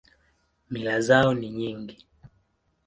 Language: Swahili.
Mila zao ni nyingi.